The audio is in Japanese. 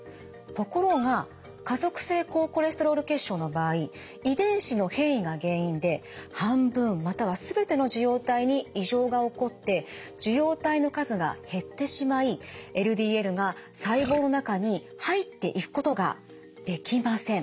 ところが家族性高コレステロール血症の場合遺伝子の変異が原因で半分または全ての受容体に異常が起こって受容体の数が減ってしまいＬＤＬが細胞の中に入っていくことができません。